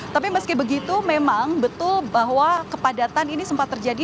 tapi meski begitu memang betul bahwa kepadatan ini sempat terjadi